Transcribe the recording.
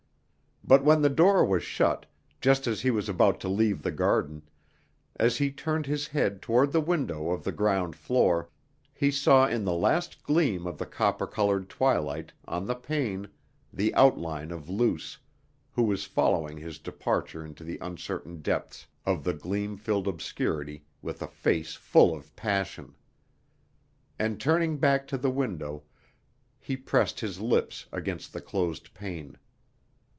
But when the door was shut, just as he was about to leave the garden, as he turned his head toward the window of the ground floor, he saw in the last gleam of the copper colored twilight, on the pane, the outline of Luce, who was following his departure into the uncertain depths of the gleam filled obscurity with a face full of passion. And turning back to the window, he pressed his lips against the closed pane.